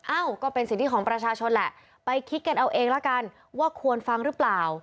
เอ้าก็เป็นสิทธิของประชาชนแหละไปคิดกันเอาเองแล้วกันว่าควรฟังหรือเปล่า